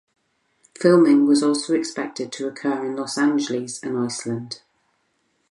Filming was also expected to occur in Los Angeles and Iceland.